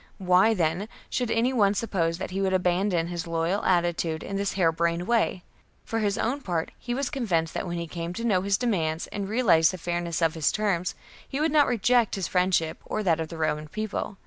Why, then, should any one suppose that he would abandon his loyal attitude in this jiare brained way ? For his own part, he was convinced that when he came to know his demands and realized the fairness of his terms, he would not reject his friendship or that of the Roman People.